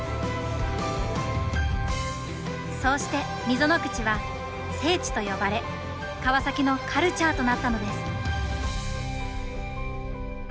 そうして溝口は聖地と呼ばれ川崎のカルチャーとなったのです。